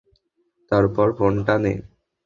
তারপর ফোনটা নে।